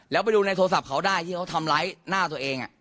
แล้วไปดูในโทรศัพท์เขาได้ที่เขาทำร้ายหน้าตัวเอง